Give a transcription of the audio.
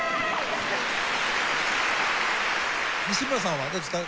西村さんはどうですか？